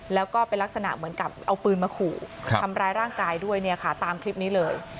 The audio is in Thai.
แล้วก็เป็นลักษณะเหมือนกับเอาปืนมาขู่ทำร้ายร่างกายด้วยเนี่ยค่ะตามคลิปนี้เลย